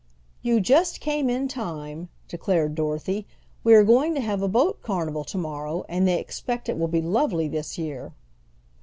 "You just came in time," declared Dorothy. "We are going to have a boat carnival tomorrow, and they expect it will be lovely this year."